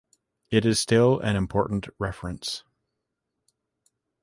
It is still an important reference.